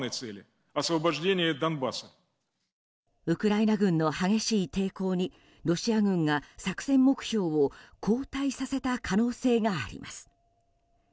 ウクライナ軍の激しい抵抗にロシア軍が作戦目標を後退させた可能性があります。